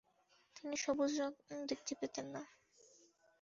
তিনি সবুজ রঙ দেখতে পেতেন না।